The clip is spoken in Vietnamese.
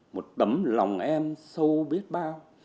một tấm lòng em sâu biết bao